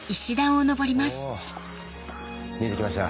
お見えてきました。